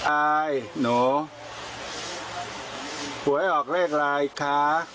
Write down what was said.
อายหนูหวยออกเลขลายค้า